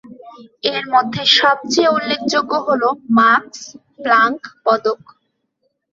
এর মধ্যে সবচেয়ে উল্লেখযোগ্য হলো মাক্স প্লাংক পদক।